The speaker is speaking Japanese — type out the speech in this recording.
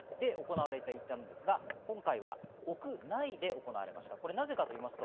２０１９年には屋外で行われていたんですが、今回は屋内で行われました。